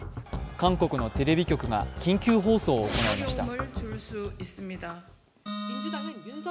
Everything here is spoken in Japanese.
韓国のテレビ局が緊急放送を行いました。